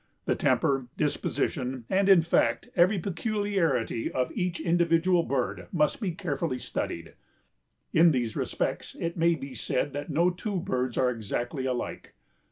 The temper, disposition and, in fact, every peculiarity of each individual bird must be carefully studied. In these respects it may be said that no two birds are exactly alike.